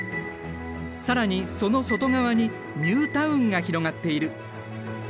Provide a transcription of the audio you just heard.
更にその外側にニュータウンが広がっている。